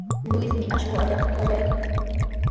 Luismi akshu allayta qallaykan.